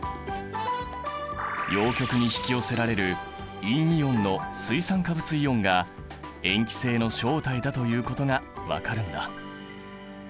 陽極に引き寄せられる陰イオンの水酸化物イオンが塩基性の正体だということが分かるんだ。